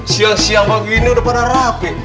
siang siang pagi ini udah pada rapi